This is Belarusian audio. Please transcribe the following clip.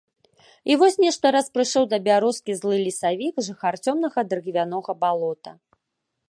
І вось нешта раз прыйшоў да бярозкі злы лесавік, жыхар цёмнага дрыгвянога балота.